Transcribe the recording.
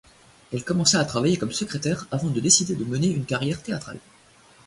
Elle commença à travailler comme secrétaire avant de décider de mener une carrière théâtrale.